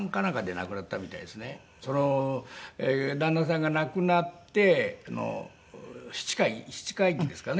その旦那さんが亡くなって７回忌ですかね。